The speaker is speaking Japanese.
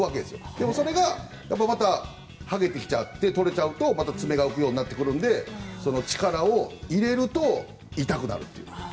でも、それがまた剥げてきちゃって取れちゃうと、また爪が浮くようになってくるので力を入れると痛くなるという。